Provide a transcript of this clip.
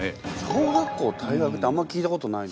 小学校退学ってあんまり聞いたことない。